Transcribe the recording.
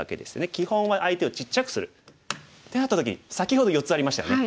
基本は相手をちっちゃくする。ってなった時に先ほど４つありましたよね。